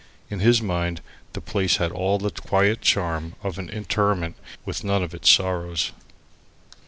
In his mind the place had all the quiet charm of an interment, with none of its sorrows.